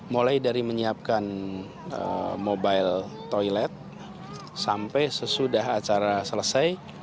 mulai dari menyiapkan mobile toilet sampai sesudah acara selesai